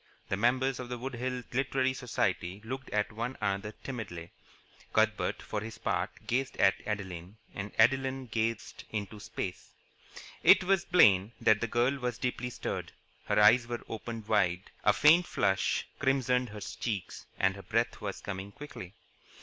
The members of the Wood Hills Literary Society looked at one another timidly. Cuthbert, for his part, gazed at Adeline; and Adeline gazed into space. It was plain that the girl was deeply stirred. Her eyes were opened wide, a faint flush crimsoned her cheeks, and her breath was coming quickly.